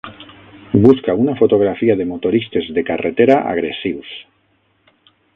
busca una fotografia de motoristes de carretera agressius